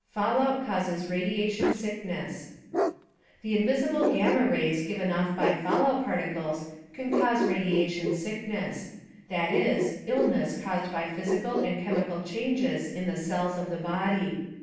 FALLOUT CAUSES RADIATION SICKNESS The invisible gamma rays given off by fallout particles can cause radiation sickness that is, illness caused by physical and chemical changes in the cells of the body.